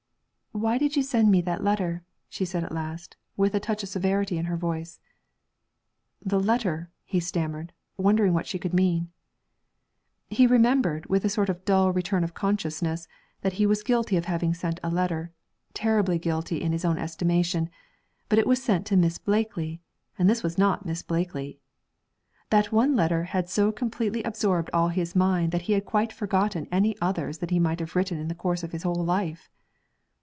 'Why did you send me that letter?' she said at last, with a touch of severity in her voice. 'The letter,' he stammered, wondering what she could mean. He remembered, with a sort of dull return of consciousness, that he was guilty of having sent a letter terribly guilty in his own estimation but it was sent to Miss Blakely, and this was not Miss Blakely. That one letter had so completely absorbed all his mind that he had quite forgotten any others that he might have written in the course of his whole life.